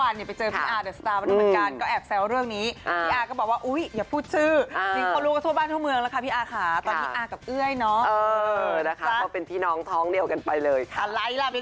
โอเคครับโอเคมากครับพางกัน๑๕ปีครับ